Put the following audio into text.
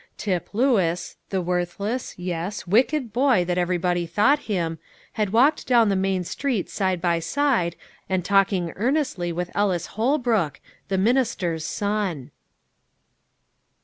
Tip Lewis, the worthless, yes, wicked boy that everybody thought him, had walked down the main street side by side, and talking earnestly with Ellis Holbrook, the minister's son.